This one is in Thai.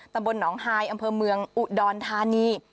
ตำบลหนองฮายอำเภอเมืองอุดรธานี